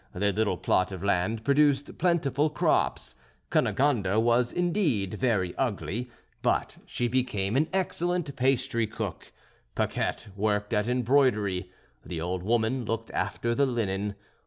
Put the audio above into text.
Their little plot of land produced plentiful crops. Cunegonde was, indeed, very ugly, but she became an excellent pastry cook; Paquette worked at embroidery; the old woman looked after the linen.